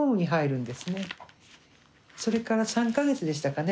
それから３か月でしたかね